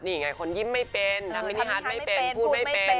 นี่ไงคนยิ้มไม่เป็นธรรมมินิฮาร์ดไม่เป็นพูดไม่เป็น